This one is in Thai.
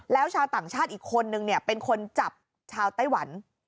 แล้วชาวต่างชาติอีกคนนึงเนี่ยเป็นคนจับชาวไต้หวัน